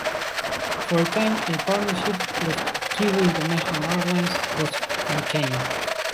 For a time, a partnership with Kiwi International Airlines was maintained.